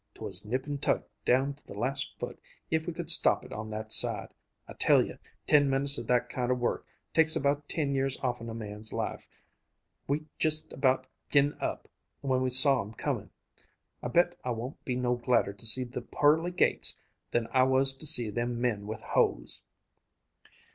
'Twas nip and tuck down to the last foot if we could stop it on that side. I tell you, ten minutes of that kind o' work takes about ten years off'n a man's life. We'd just about gi'n up when we saw 'em coming. I bet I won't be no gladder to see the pearly gates than I was to see them men with hoes."